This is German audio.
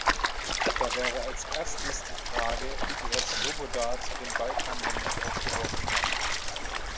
Da wäre als Erstes die Frage, die Herr Swoboda zu den Balkanländern aufgeworfen hat.